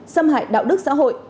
xâm hại đạo đức xã hội